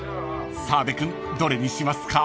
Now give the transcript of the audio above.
［澤部君どれにしますか？］